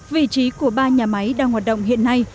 vị trí của ba nhà máy đang hoạt động hiện nay